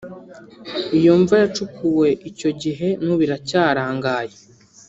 Iyo mva yacukuwe icyo gihe n’ubu iracyarangaye